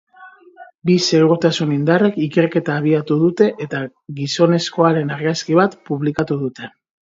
Bi segurtasun indarrek ikerketa abiatu dute, eta gizonezkoaren argazki bat publikatu dute.